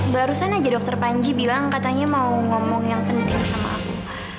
barusan aja dokter panji bilang katanya mau ngomong yang penting sama aku